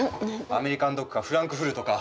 アメリカンドッグかフランクフルトか。